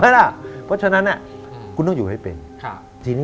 เพราะฉะนั้นคุณต้องอยู่ให้เป็น